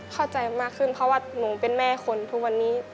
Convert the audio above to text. เข้าใจมากขึ้นเพราะว่าหนูเป็นแม่คนทุกวันนี้